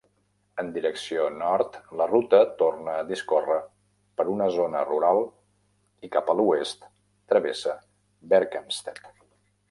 En direcció nord, la ruta torna a discórrer per una zona rural i cap a l'oest travessa Berkhamsted.